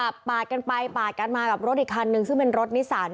ปาดกันไปปาดกันมากับรถอีกคันนึงซึ่งเป็นรถนิสัน